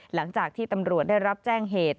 หลังจากที่ตำรวจได้รับแจ้งเหตุ